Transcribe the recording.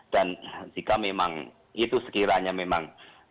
dan jika memang itu sekiranya memang